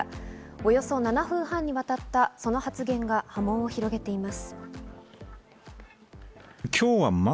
およそ７分半にわたったその発言が波紋を広げています。